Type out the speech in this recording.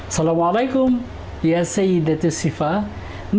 assalamualaikum ya sayyidatul sifat